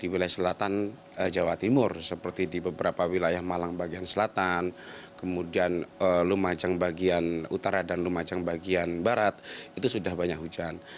di wilayah selatan jawa timur seperti di beberapa wilayah malang bagian selatan kemudian lumajang bagian utara dan lumajang bagian barat itu sudah banyak hujan